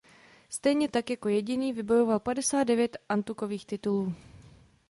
Stejně tak jako jediný vybojoval padesát devět antukových titulů.